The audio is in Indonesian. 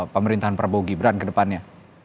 pemerintahan prabowo gibran kedepannya